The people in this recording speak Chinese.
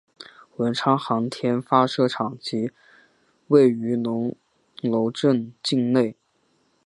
文昌航天发射场即位于龙楼镇境内。